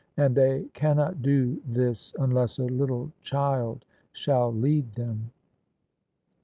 And they cannot do this unless a little child shall lead them.